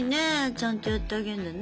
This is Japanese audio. ちゃんとやってあげんだね。